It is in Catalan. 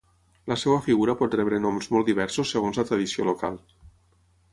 La seva figura pot rebre noms molt diversos segons la tradició local.